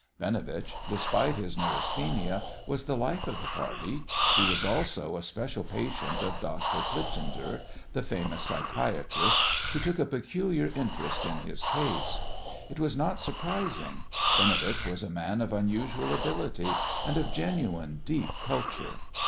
Binovitch, despite his neurasthenia, was the life of the party. He was also a special patient of Dr. Plitzinger, the famous psychiatrist, who took a peculiar interest in his case. It was not surprising. Binovitch was a man of unusual ability and of genuine, deep culture.